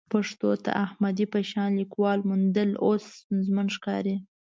پښتو ته د احمدي په شان لیکوال موندل اوس ستونزمن ښکاري.